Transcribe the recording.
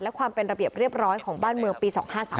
และความเป็นระเบียบเรียบร้อยของบ้านเมืองปี๒๕๓